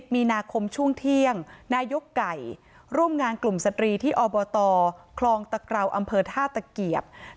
มีนาคมช่วงเที่ยงนายกไก่ร่วมงานกลุ่มสตรีที่อบตคลองตะเกราวอำเภอท่าตะเกียบ